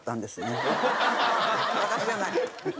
私じゃない。